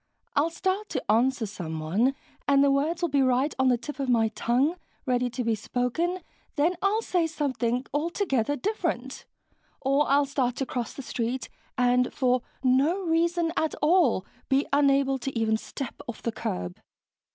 I'll start to answer someone and the words will be right on the tip of my tongue, ready to be spoken, then I'll say something altogether different. Or I'll start to cross the street and, for no reason at all, be unable to even step off the curb...."